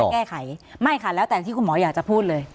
แก้ไขไม่ค่ะแล้วแต่ที่คุณหมออยากจะพูดเลย